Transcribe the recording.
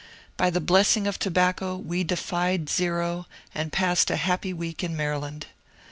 By the blessing of tobacco we defied Zero, and passed a happy week in Maryland.